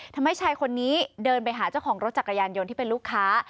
ทำให้ชายคนนี้เดินไปหาเจ้าของรถจักรยานยนต์ที่เป็นลูกค้า